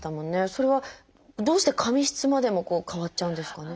それはどうして髪質までも変わっちゃうんですかね。